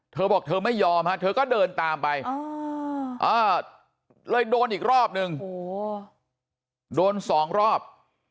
เธอบอกเธอไม่ยอมฮะเธอก็เดินตามไปเลยโดนอีกรอบนึงโดน๒รอบ